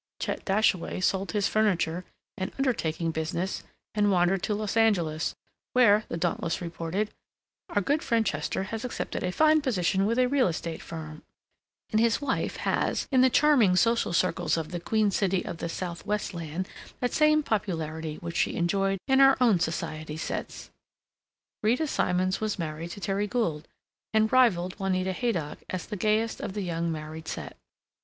Chet Dashaway sold his furniture and undertaking business and wandered to Los Angeles, where, the Dauntless reported, "Our good friend Chester has accepted a fine position with a real estate firm, and his wife has in the charming social circles of the Queen City of the Southwestland that same popularity which she enjoyed in our own society sets." Rita Simons was married to Terry Gould, and rivaled Juanita Haydock as the gayest of the Young Married Set.